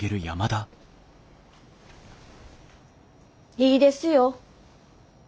いいですよ。